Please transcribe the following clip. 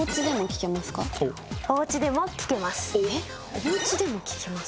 「おうちでも聞けます」。